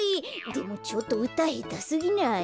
でもちょっとうたへたすぎない？